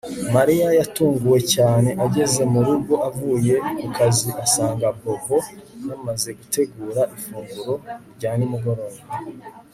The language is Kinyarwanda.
Mariya yatunguwe cyane ageze mu rugo avuye ku kazi asanga Bobo yamaze gutegura ifunguro rya nimugoroba